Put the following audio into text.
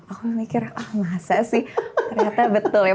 aku memikir ah masa sih ternyata betul ya